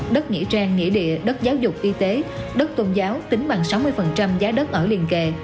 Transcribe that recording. đất nghĩa trang nghỉ địa đất giáo dục y tế đất tôn giáo tính bằng sáu mươi giá đất ở liền kề